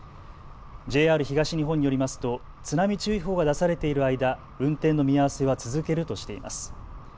ＪＲ東日本によりますと津波注意報が出されている間運転の見合わせは続けるとしています。